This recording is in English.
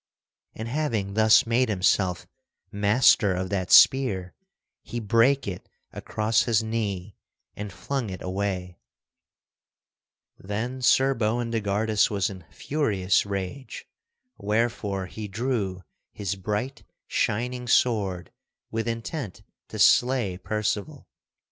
And having thus made himself master of that spear, he brake it across his knee and flung it away. [Sidenote: Percival slays Sir Boindegardus] Then Sir Boindegardus was in furious rage, wherefore he drew his bright, shining sword with intent to slay Percival.